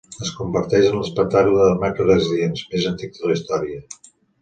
Es converteix en l'"Espectacle de mags residents" més antic de la història.